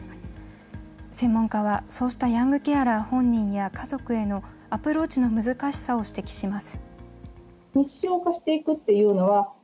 専門家はそうしたヤングケアラー本人や家族へのアプローチの難しさを指摘します。